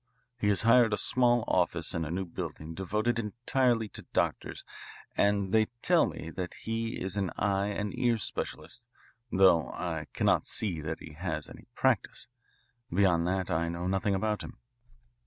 He has hired a small office in a new building devoted entirely to doctors and they tell me that he is an eye and ear specialist, though I cannot see that he has any practice. Beyond that I know nothing about him."